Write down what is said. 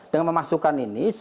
dengan memasukkan ini